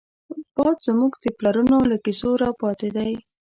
باد زمونږ د پلارانو له کيسو راپاتې دی